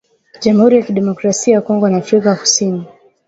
jamhuri ya kidemokrasia ya Kongo na Afrika kusini